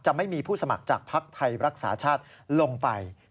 ไม่มีผู้สมัครจากภักดิ์ไทยรักษาชาติลงไป